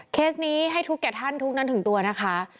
เคสนี้ให้ทุกแก่ท่านทุกข์นั้นถึงตัวนะคะ